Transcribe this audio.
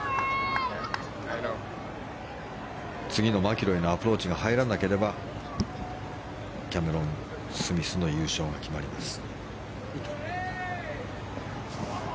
次のマキロイのアプローチが入らなければキャメロン・スミスの優勝が決まります。